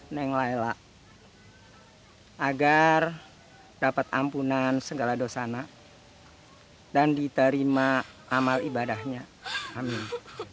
neng layla agar dapat ampunan segala dosa na dan diterima amal ibadahnya amin